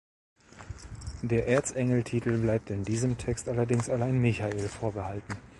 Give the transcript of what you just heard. Der Erzengel-Titel bleibt in diesem Text allerdings allein Michael vorbehalten.